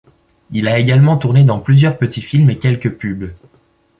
Il a également tourné dans plusieurs petits films et quelques pubs.